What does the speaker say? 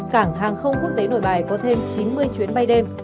cảng hàng không quốc tế nội bài có thêm chín mươi chuyến bay đêm